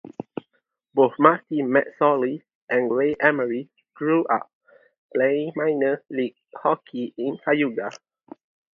Both Marty McSorley and Ray Emery grew up playing minor league hockey in Cayuga.